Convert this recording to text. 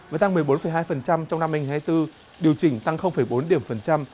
và tăng một mươi bốn hai trong năm hai nghìn hai mươi bốn điều chỉnh tăng bốn điểm phần trăm